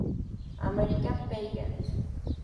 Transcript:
American Pageant"